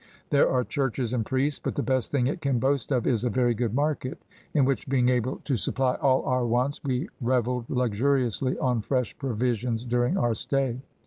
There are churches and priests, but the best thing it can boast of is a very good market, in which being able to supply all our wants, we revelled luxuriously on fresh provisions during our stay.